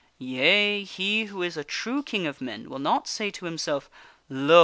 Yea, he who is a true king of men, will not say to himself, " Lo